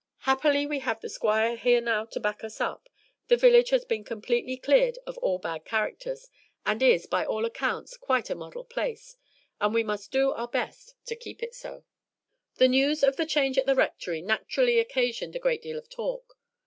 Happily, we have the Squire here now to back us up, the village has been completely cleared of all bad characters, and is by all accounts quite a model place, and we must do our best to keep it so." The news of the change at the Rectory naturally occasioned a great deal of talk.